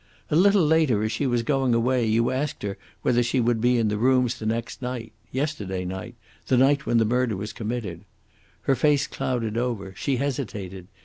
A little later, as she was going away, you asked her whether she would be in the rooms the next night yesterday night the night when the murder was committed. Her face clouded over. She hesitated.